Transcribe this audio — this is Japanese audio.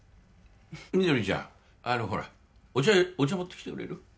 みどりちゃんあのほらお茶持ってきてくれる？